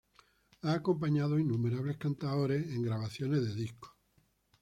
Ha acompañado a innumerables cantaores en grabaciones de discos.